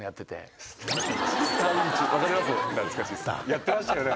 やってましたよね。